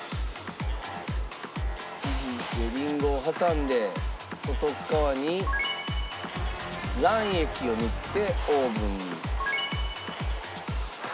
生地でりんごを挟んで外側に卵液を塗ってオーブンに。